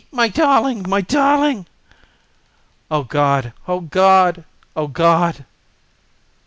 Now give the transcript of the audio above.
my darling! my darling!" "O God! O God! O God!"